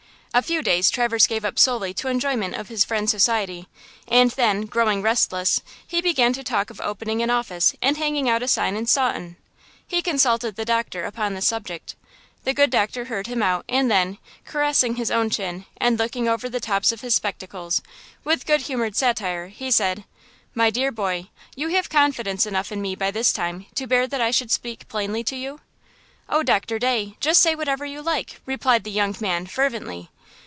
A few days Traverse gave up solely to enjoyment of his friends' society, and then, growing restless, he began to talk of opening an office and hanging out a sign in Staunton. He consulted the doctor upon this subject. The good doctor heard him out and then, caressing his own chin and looking over the tops of his spectacles, with good humored satire, he said: "My dear boy, you have confidence enough in me by this time to bear that I should speak plainly to you?" "Oh, Doctor Day, just say whatever you like!" replied the young man, fervently.